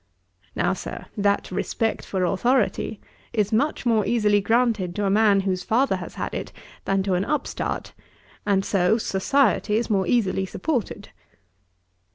Now, Sir, that respect for authority is much more easily granted to a man whose father has had it, than to an upstart, and so Society is more easily supported.'